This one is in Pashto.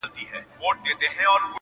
ستا پر لوري د اسمان سترګي ړندې دي.!